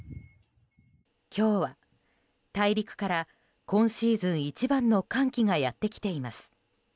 今日は大陸から今シーズン一番の寒気がやってきています。